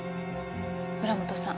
浦本さん